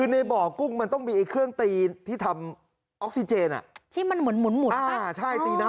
ในบ่อกุ้งต้องมีเครื่องตีน้ำฟันฟันที่ทำออกซิเจน